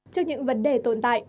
trong những vấn đề tồn tại